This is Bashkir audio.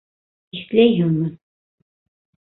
Иҫләйһеңме...